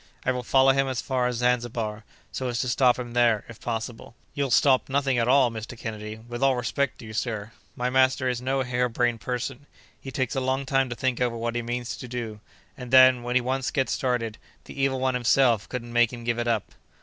I will follow him as far as Zanzibar, so as to stop him there, if possible." "You'll stop nothing at all, Mr. Kennedy, with all respect to you, sir. My master is no hare brained person; he takes a long time to think over what he means to do, and then, when he once gets started, the Evil One himself couldn't make him give it up."